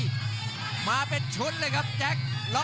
กรรมการเตือนทั้งคู่ครับ๖๖กิโลกรัม